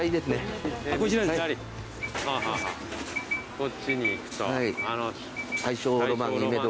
こっちに行くと。